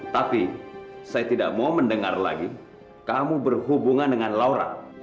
tapi saya tidak mau mendengar lagi kamu berhubungan dengan laura